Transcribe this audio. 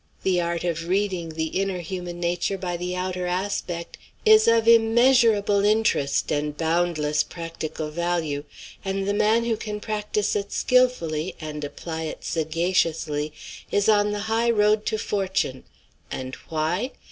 The art of reading the inner human nature by the outer aspect is of immeasurable interest and boundless practical value, and the man who can practise it skilfully and apply it sagaciously is on the high road to fortune, and why?